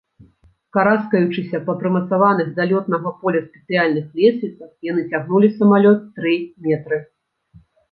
Караскаючыся па прымацаваных да лётнага поля спецыяльных лесвіцах, яны цягнулі самалёт тры метры.